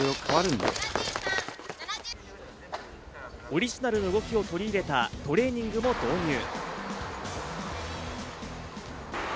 オリジナルの動きを取り入れたトレーニングも導入。